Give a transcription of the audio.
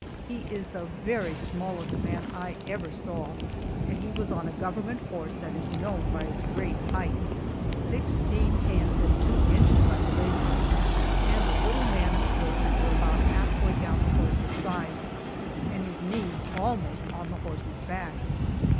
He is the very smallest man I ever saw, and he was on a government horse that is known by its great height sixteen hands and two inches, I believe and the little man's stirrups were about half way down the horse's sides, and his knees almost on the horse's back.